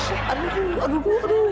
ah aduh aduh aduh aduh